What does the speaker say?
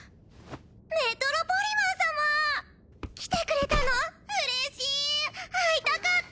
メトロポリマン様来てくれたの嬉しい会いたかった！